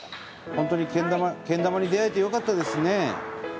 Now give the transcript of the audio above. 本当にけん玉に出会えてよかったですね。